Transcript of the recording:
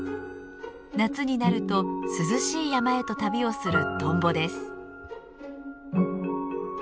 夏になると涼しい山へと旅をするトンボです。